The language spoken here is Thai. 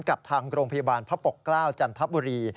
กับทางโรงพยาบาลพระปกเกล้าจันทบุรี